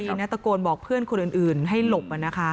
ยังดีนะตะโกนบอกเพื่อนให้หลบ